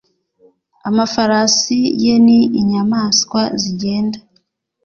amafarasi ye ni inyamaswa zigenda,